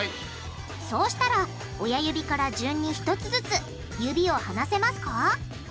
そうしたら親指から順に１つずつ指を離せますか？